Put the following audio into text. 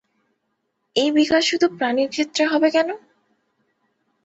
এই বিকাশ শুধু প্রাণীর ক্ষেত্রে হবে কেন?